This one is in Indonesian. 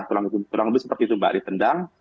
kurang lebih seperti itu mbak ditendang